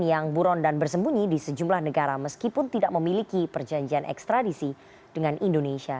yang buron dan bersembunyi di sejumlah negara meskipun tidak memiliki perjanjian ekstradisi dengan indonesia